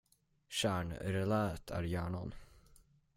Kärnreläet är hjärnan.